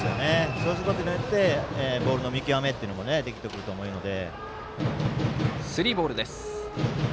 そうすることによってボールの見極めというのができてくると思うので。